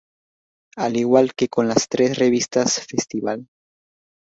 Al igual que con las tres revistas "Festival!